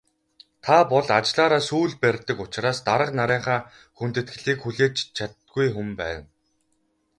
Та бол ажлаараа сүүл барьдаг учраас дарга нарынхаа хүндэтгэлийг хүлээж чаддаггүй хүн байна.